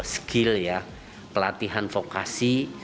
skill ya pelatihan fokasi